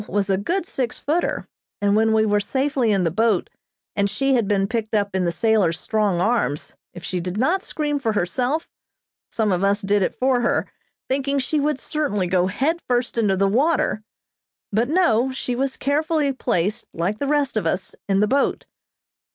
was a good six footer, and when we were safely in the boat, and she had been picked up in the sailor's strong arms, if she did not scream for herself, some of us did it for her, thinking she would certainly go head first into the water; but no, she was carefully placed, like the rest of us, in the boat.